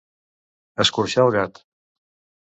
Escorxar el gat.